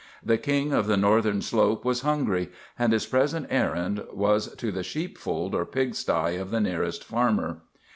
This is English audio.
The King of the Northern Slope was hungry, and his present errand was to the sheepfold or pigsty of the nearest farmer.